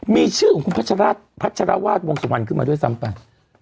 มีชื่อของคุณพัชราชพัชรวาสวงสุวรรณขึ้นมาด้วยซ้ำไป